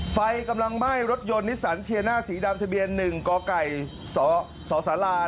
ไฟกำลังไหม้รถยนต์นิสสันเทียน่าสีดำทะเบียน๑กไก่สสลา